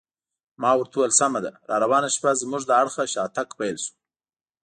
ما ورته وویل: سمه ده، راروانه شپه زموږ له اړخه شاتګ پیل شو.